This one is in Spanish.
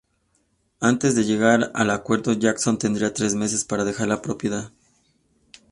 Antes de llegar al acuerdo, Jackson tendría tres meses para dejar la propiedad.